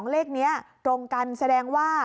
เลขนี้ตรงกันแสดงว่า